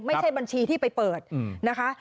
ไม่ใช่บัญชีที่ไปเปิดนะคะ